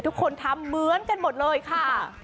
ทุกคนทำเหมือนกันหมดเลยค่ะ